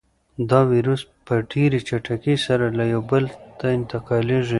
دا وېروس په ډېرې چټکۍ سره له یو بل ته انتقالېږي.